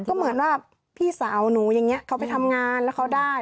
ก็เหมือนว่าพี่สาวหนูอย่างนี้เขาไปทำงานแล้วเขาได้